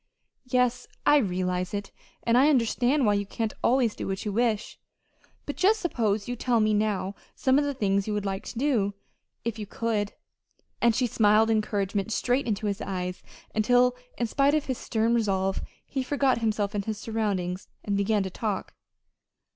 "Yes, I realize it, and I understand why you can't always do what you wish. But just suppose you tell me now some of the things you would like to do if you could." And she smiled encouragement straight into his eyes until in spite of his stern resolve he forgot himself and his surroundings, and began to talk.